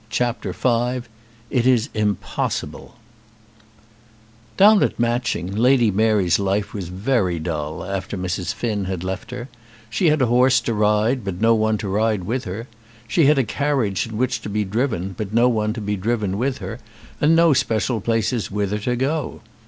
CHAPTER V "It Is Impossible" Down at Matching Lady Mary's life was very dull after Mrs. Finn had left her. She had a horse to ride, but had no one to ride with her. She had a carriage in which to be driven, but no one to be driven with her, and no special places whither to go.